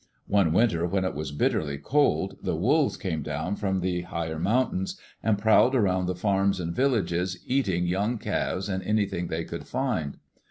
One winter, when it was bitterly cold, the wolves came down from the higher mountains and prowled around the farms and villages, eating young calves and anything they could find.